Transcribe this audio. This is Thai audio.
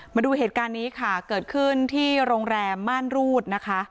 มาดูเหตุการณ์นี้ค่ะเกิดขึ้นที่โรงแรมม่านรูดนะคะ